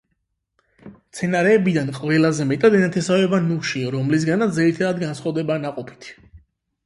მცენარეებიდან ყველაზე მეტად ენათესავება ნუში, რომლისგანაც ძირითადად განსხვავდება ნაყოფით.